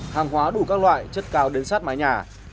hàng hóa đủ các loại chất cao đến sát mái nhà